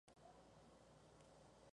Fue publicado solamente en el Reino Unido.